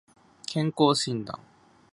健康診断